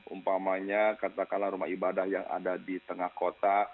umpamanya katakanlah rumah ibadah yang ada di tengah kota